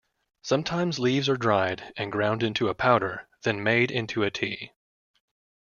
Sometimes leaves are dried and ground into a powder, then made into a tea.